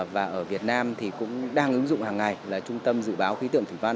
và ở việt nam thì cũng đang ứng dụng hàng ngày là trung tâm dự báo khí tượng thủy văn